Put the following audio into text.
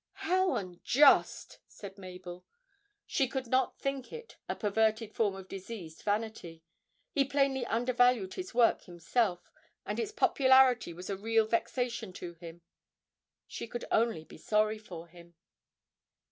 "' 'How unjust!' said Mabel. She could not think it a perverted form of diseased vanity. He plainly undervalued his work himself, and its popularity was a real vexation to him. She could only be sorry for him.